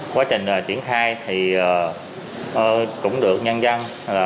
quá trình triển khai cũng được nhân dân